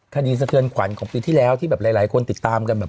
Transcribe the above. คดีเกินขวัญของปีที่แล้วที่หลายคนติดตามกันแบบ